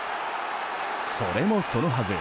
それもそのはず。